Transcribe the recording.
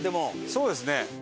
そうですね。